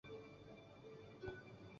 受古瓦哈蒂总教区管辖。